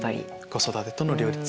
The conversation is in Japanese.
子育てとの両立。